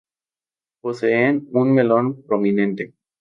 Poseen un melón prominente.